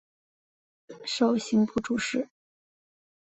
授刑部主事。